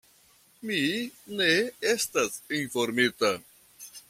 Mi ne estas informita.